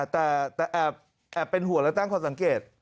แต่แอบเป็นห่วงและตั้งข้อสังเกต